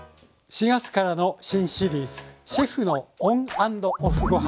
４月からの新シリーズ「シェフのＯＮ＆ＯＦＦごはん」。